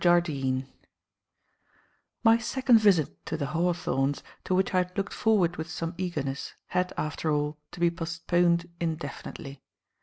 JARDINE MY second visit to "The Hawthorns," to which I had looked forward with some eagerness, had, after all, to be postponed indefinitely.